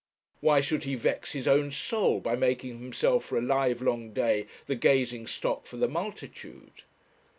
Why should he vex his own soul by making himself for a livelong day the gazing stock for the multitude?